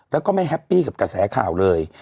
แล้วก็ไม่แฮปปี้กับกระแสข่าวเลย